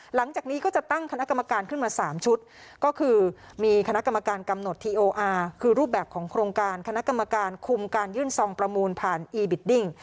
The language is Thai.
หลังจากนี้ก็จะตั้งคณะกรรมการขึ้นมา๓ชุดก็คือมีคณะกรรมการกำหนดทีโออาร์คือรูปแบบของโครงการคณะกรรมการคุมการยื่นซองประมูลผ่านอีบิดดิ้ง